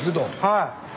はい。